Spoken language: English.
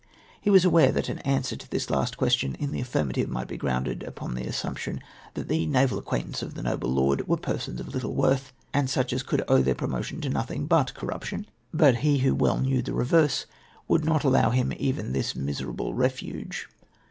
He Avas aAvare that an answer to this last question in the affirmative might be grounded upon the assumption that the naval accjuaintance of the noble lord Avere persons of little Avorth, and such as could owe their promotion to nothing but corruption. But MR. CHOKER'S REPLY. 289 lie who well knew the reverse would not allow him even this miserable refuge.